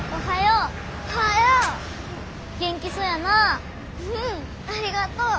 うんありがとう。